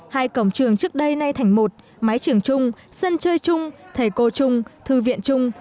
hai cổng trường trước đây nay thành một mái trường chung sân chơi chung thầy cô chung thư viện chung